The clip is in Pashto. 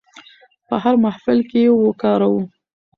په هر محفل کې یې وکاروو.